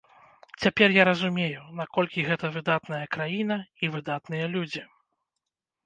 Цяпер я разумею, наколькі гэта выдатная краіна і выдатныя людзі.